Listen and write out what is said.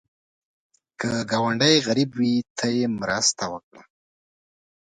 که ګاونډی غریب وي، ته یې مرسته وکړه